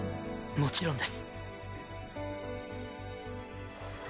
もちろんです。